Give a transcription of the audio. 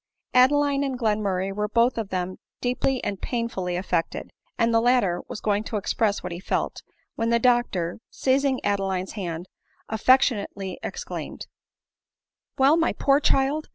Adeline and Glenmurray were both of them deeply and painfully affected ; and the latter was going to ex press what he felt, when the doctor, seizing Adeline's , hand, affectionately exclaimed, " Well, my poor child